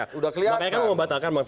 makanya kan mau batalkan